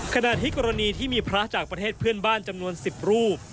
ขณะที่กรณีที่มีพระจากประเทศเพื่อนบ้านจำนวน๑๐รูป